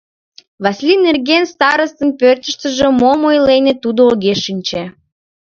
Васлий нерген старостын пӧртыштыжӧ мом ойленыт, тудо огеш шинче.